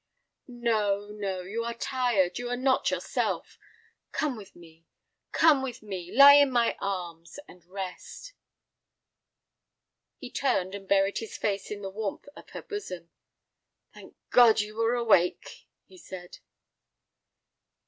"No, no, you are tired, you are not yourself. Come with me, come with me, lie in my arms—and rest." He turned and buried his face in the warmth of her bosom. "Thank God you were awake," he said.